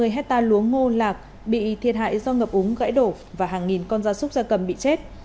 ba trăm hai mươi hectare lúa ngô lạc bị thiệt hại do ngập úng gãy đổ và hàng nghìn con gia súc gia cầm bị chết